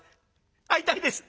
会いたいです。